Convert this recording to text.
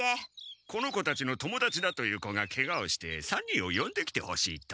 この子たちの友だちだという子がケガをして３人をよんできてほしいと。